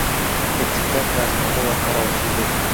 Bitiklar mazmuni va qarovsizlik.